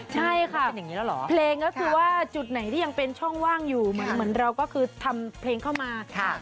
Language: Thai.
เจอกันได้ยังไงก่อน๒คนเนี้ย